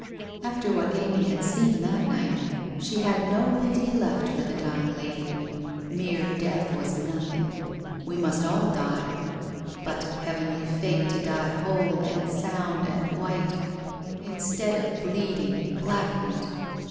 After what Amy had seen that night, she had no pity left for the dying lady. Mere death was nothing. We must all die. But, heavenly fate to die whole and sound and white, instead of bleeding and blackened